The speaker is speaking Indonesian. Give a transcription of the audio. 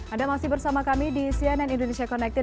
anda masih bersama kami di cnn indonesia connected